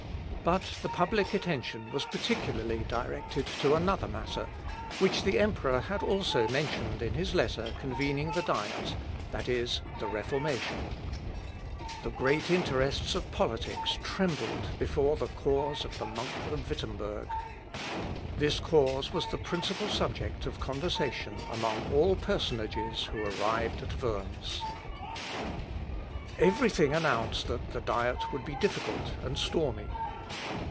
But the public attention was particularly directed to another matter, which the emperor had also mentioned in his letter convening the Diet, viz., the Reformation. The great interests of politics trembled before the cause of the Monk of Wittemberg. This cause was the principal subject of conversation among all personages who arrived at Worms. [Sidenote: CHARLES DEMANDS LUTHER.] Every thing announced that the Diet would be difficult and stormy.